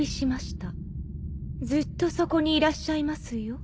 ずっとそこにいらっしゃいますよ。